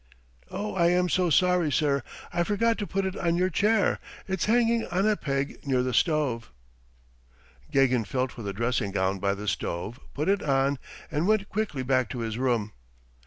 "Oh, I am so sorry, sir; I forgot to put it on your chair. It's hanging on a peg near the stove." Gagin felt for the dressing gown by the stove, put it on, and went quietly back to his room.